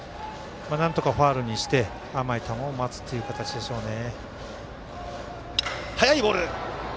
なんとかファウルにして甘い球を待つという形でしょうね。